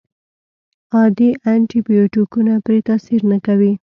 عادي انټي بیوټیکونه پرې تاثیر نه کوي.